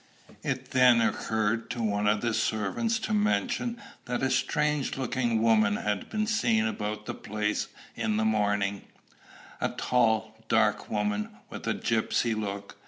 It then occurred to one of the servants to mention that a strange looking woman had been seen about the place in the morning, a tall, dark woman, with a gypsy look.